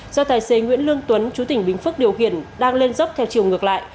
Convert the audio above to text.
do tài xế nguyễn lương tuấn chú tỉnh bình phước điều khiển đang lên dốc theo chiều ngược lại